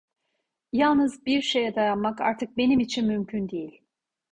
Yalnız bir şeye dayanmak artık benim için mümkün değil.